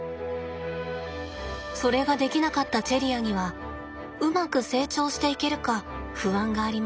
それができなかったチェリアにはうまく成長していけるか不安がありました。